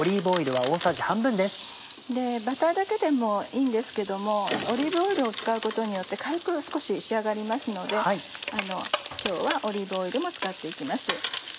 バターだけでもいいんですけどもオリーブオイルを使うことによって軽く少し仕上がりますので今日はオリーブオイルも使って行きます。